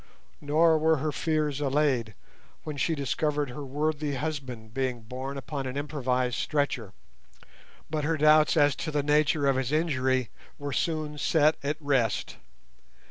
Nor were her fears allayed when she discovered her worthy husband being borne upon an improvised stretcher; but her doubts as to the nature of his injury were soon set at rest.